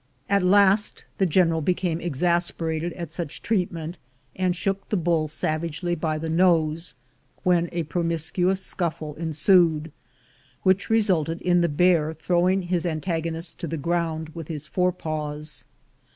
At last the General became exasperated at such treatment, and shook the bull savagely by the nose, when a promis cuous scuffle ensued, which resulted in the bear throw ing his antagonist to the ground with his fore paws.